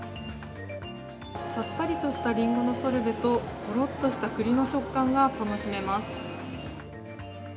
さっぱりとしたリンゴのソルベと、ごろっとしたくりの食感が楽しめます。